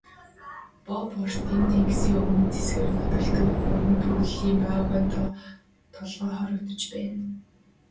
Бофортын тэнгисийн өмнөд хэсгээр нутагладаг гурван төрлийн баавгайн тоо толгой хорогдож байна.